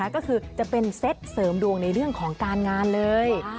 ก็คือจะเป็นเซตเสริมดวงในเรื่องของการงานเลย